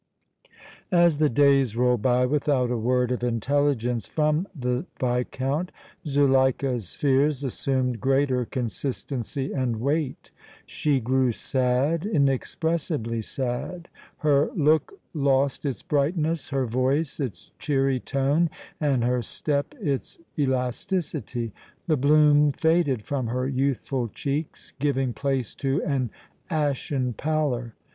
As the days rolled by without a word of intelligence from the Viscount, Zuleika's fears assumed greater consistency and weight. She grew sad, inexpressibly sad; her look lost its brightness, her voice its cheery tone and her step its elasticity. The bloom faded from her youthful cheeks, giving place to an ashen pallor.